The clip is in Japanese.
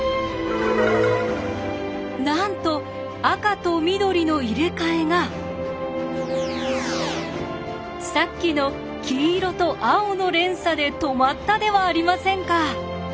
なんと赤と緑の入れ替えがさっきの黄色と青の連鎖で止まったではありませんか。